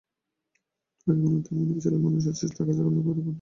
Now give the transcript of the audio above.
তোরা কি এখনো তেমনি ছেলেমানুষ আছিস, না কাজকর্মে ঘরকন্নায় মন দিয়াছিস?